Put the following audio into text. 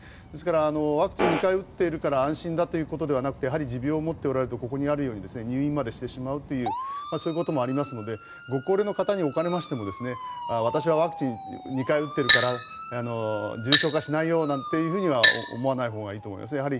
ですからワクチンを２回打っているから安心ということではなくてやはり持病を持っておられるとここにあるように入院してしまうというそういうこともありますのでご高齢の方におかれましても私はワクチン２回打っているから重症化しないよなんていうふうには思わないほうがいいと思いますね。